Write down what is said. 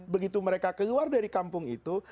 begitu mereka keluar dari kampung itu